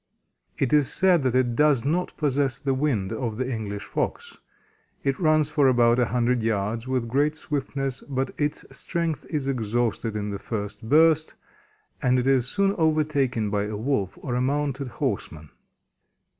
It is said that it does not possess the wind of the English Fox. It runs for about a hundred yards with great swiftness, but its strength is exhausted in the first burst, and it is soon overtaken by a Wolf or a mounted horseman.